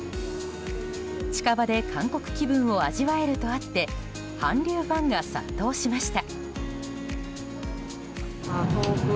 近場で韓国気分を味わえるとあって韓流ファンが殺到しました。